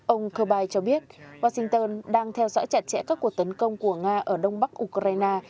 ông kirby cho biết washington đang theo dõi chặt chẽ các cuộc tấn công của nga ở đông bắc ukraine